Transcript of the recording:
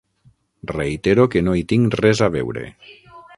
Reitero que no hi tinc res a veure.